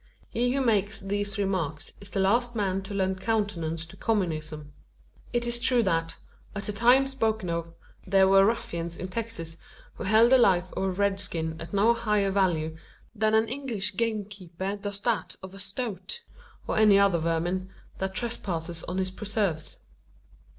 He who makes these remarks is the last man to lend countenance to communism. It is true that, at the time spoken of, there were ruffians in Texas who held the life of a red skin at no higher value than an English gamekeeper does that of a stoat, or any other vermin, that trespasses on his preserves.